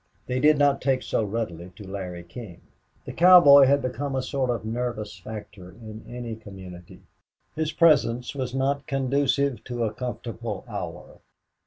They did not take so readily to Larry King. The cowboy had become a sort of nervous factor in any community; his presence was not conducive to a comfortable hour.